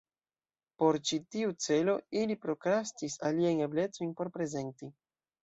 Por ĉi tiu celo ili prokrastis aliajn eblecojn por prezenti.